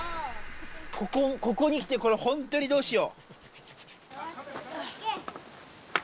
ここにきてこれほんとにどうしよう。